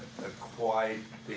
dan kedua dan seterusnya